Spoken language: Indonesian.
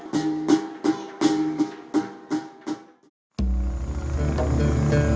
kinginannya ini layak bercan